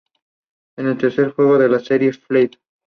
Es el tercer juego de la serie "Fable".